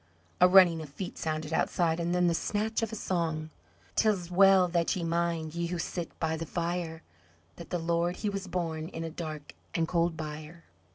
A running of feet sounded outside, and then the snatch of a song "'Tis well that ye mind ye who sit by the fire That the Lord he was born in a dark and cold byre.